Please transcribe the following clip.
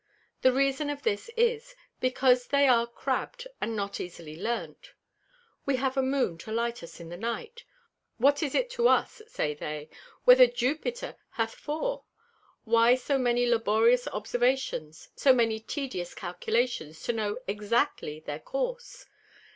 The reason of this is; because they are crabbed and not easily learnt. We have a Moon to light us in the Night; What is it to us, say they, whether Jupiter hath four? Why so many laborious Observations, so many tedious Calculations to know exactly their Course?